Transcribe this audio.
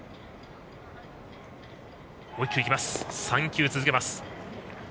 ３球続けます。